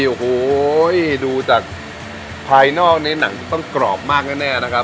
โอ้โหดูจากภายนอกนี้หนังต้องกรอบมากแน่นะครับ